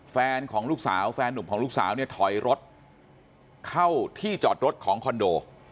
แฟนของลูกสาวแฟนนุ่มของลูกสาวเนี่ยถอยรถเข้าที่จอดรถของคอนโด